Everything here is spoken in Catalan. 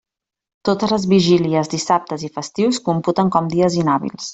Totes les vigílies, dissabtes i festius computen com dies inhàbils.